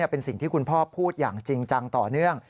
เป็นสิ่งที่คุณพ่อพูดอย่างจริงจังต่อเนื่อง